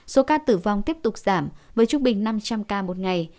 số ca tử vong tiếp tục giảm với trung bình năm trăm linh ca một ngày